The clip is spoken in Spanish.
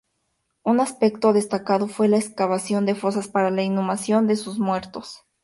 Un aspecto destacado fue la excavación de fosas para la inhumación de sus muertos.